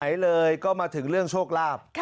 ไหนเลยก็มาถึงเรื่องโชคลาภ